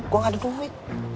gua gak ada duit